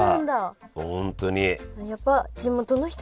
本当に。